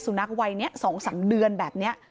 นักวัยนี้๒๓เดือนแบบนี้